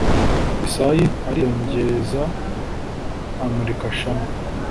Yesayi ariyongeza amurika Shama